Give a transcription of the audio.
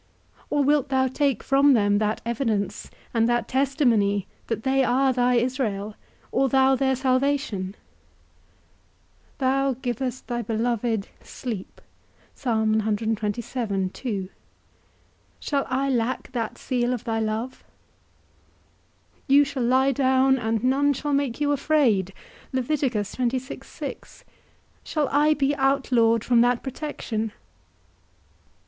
or wilt thou take from them that evidence, and that testimony that they are thy Israel, or thou their salvation? Thou givest thy beloved sleep: shall I lack that seal of thy love? You shall lie down, and none shall make you afraid: shall I be outlawed from that protection?